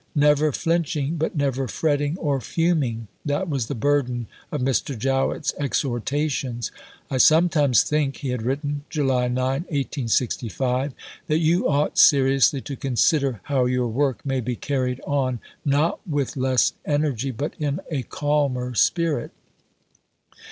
Never flinching, but never fretting or fuming: that was the burden of Mr. Jowett's exhortations. "I sometimes think," he had written (July 9, 1865), "that you ought seriously to consider how your work may be carried on, not with less energy, but in a calmer spirit.